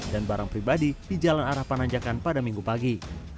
dan barang pribadi di jalan arah pananjakan pada minggu pagi